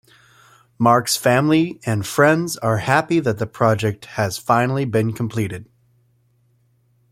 Mark's family and friends are happy that the project has finally been completed.